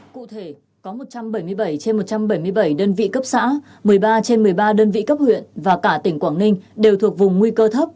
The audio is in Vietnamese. cụ thể có một trăm bảy mươi bảy trên một trăm bảy mươi bảy đơn vị cấp xã một mươi ba trên một mươi ba đơn vị cấp huyện và cả tỉnh quảng ninh đều thuộc vùng nguy cơ thấp